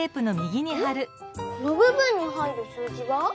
このぶぶんに入る数字は？